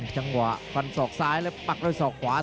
จังหวะฟันศอกซ้ายแล้วปักด้วยศอกขวา